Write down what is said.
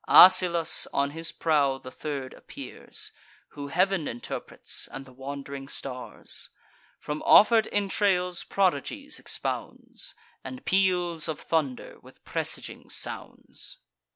Asylas on his prow the third appears, Who heav'n interprets, and the wand'ring stars; From offer'd entrails prodigies expounds, And peals of thunder, with presaging sounds.